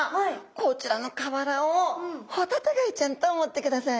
こちらの瓦をホタテガイちゃんと思ってください。